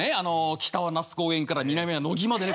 北は那須高原から南は野木までね。